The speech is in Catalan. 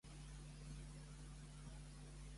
Com es va descriure la grip espanyola en el seu moment?